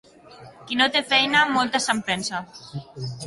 Qui no té feina, moltes se'n pensa.